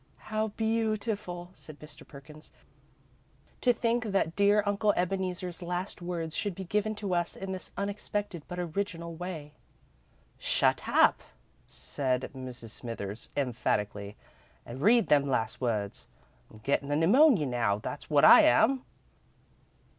"How beautiful," said Mr. Perkins, "to think that dear Uncle Ebeneezer's last words should be given to us in this unexpected but original way." "Shut up," said Mrs. Smithers, emphatically, "and read them last words. I'm gettin' the pneumony now, that's wot I am."